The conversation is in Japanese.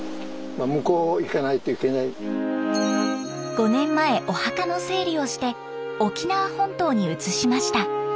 ５年前お墓の整理をして沖縄本島に移しました。